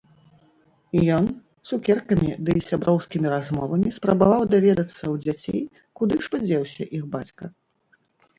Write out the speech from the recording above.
Ён цукеркамі ды сяброўскімі размовамі спрабаваў даведацца ў дзяцей, куды ж падзеўся іх бацька.